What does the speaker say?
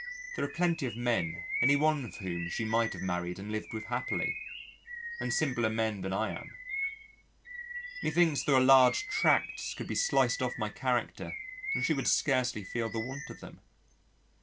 There are plenty of men any one of whom she might have married and lived with happily, and simpler men than I am. Methinks there are large tracts could be sliced off my character and she would scarcely feel the want of them.